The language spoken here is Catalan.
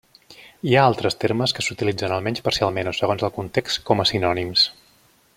Hi ha altres termes que s'utilitzen, almenys parcialment o segons el context, com a sinònims.